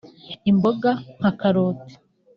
imboga nka karoti